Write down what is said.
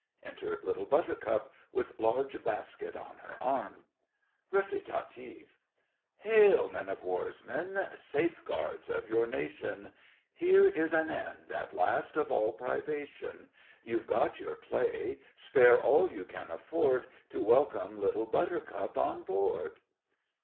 Enter LITTLE BUTTERCUP, with large basket on her arm RECITATIVE Hail, men o' war's men safeguards of your nation Here is an end, at last, of all privation; You've got your play—spare all you can afford To welcome Little Buttercup on board.